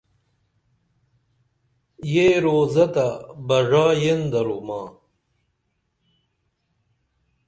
یہ روزہ تہ بڙا ین درو ما